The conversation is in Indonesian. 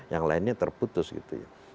yang lainnya terputus gitu ya